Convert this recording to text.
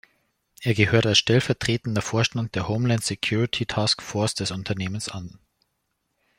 Er gehört als stellvertretender Vorstand der Homeland Security Task Force des Unternehmens an.